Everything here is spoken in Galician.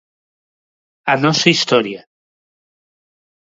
A nosa historia.